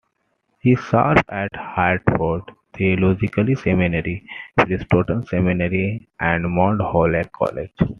He served at Hartford Theological Seminary, Princeton Seminary, and Mount Holyoke College.